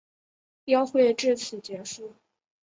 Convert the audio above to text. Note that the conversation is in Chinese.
标会至此结束。